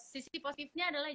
sisi positifnya adalah